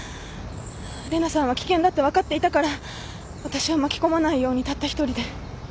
玲奈さんは危険だって分かっていたから私を巻き込まないようにたった一人で。